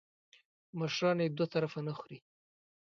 مشران یې دوه طرفه نه خوري .